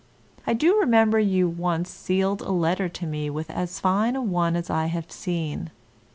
I do remember you once sealed a letter to me with as fine a one as I have seen.